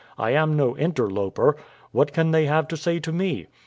I am no interloper. What can they have to say to me?"